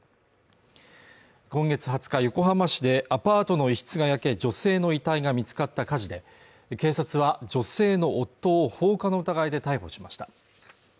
今月２０日横浜市でアパートの一室が焼け女性の遺体が見つかった火事で、警察は女性の夫を放火の疑いで逮捕しました。